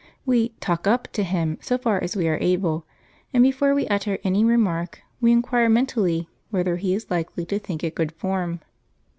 We 'talk up' to him so far as we are able, and before we utter any remark we inquire mentally whether he is likely to think it good form.